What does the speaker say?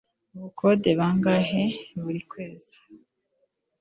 ubukode bangahe buri kwezi